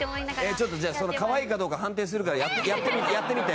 ちょっとじゃあその可愛いかどうか判定するからやってやってみて。